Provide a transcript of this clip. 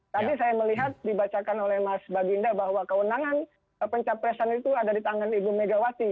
tapi saya melihat dibacakan oleh mas baginda bahwa kewenangan pencapresan itu ada di tangan ibu megawati